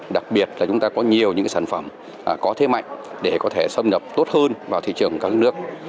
đặc biệt là chúng ta có nhiều những sản phẩm có thế mạnh để có thể xâm nhập tốt hơn vào thị trường các nước